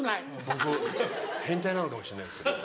僕変態なのかもしれないですけど。